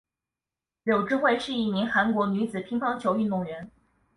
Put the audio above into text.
柳智惠是一名韩国女子乒乓球运动员。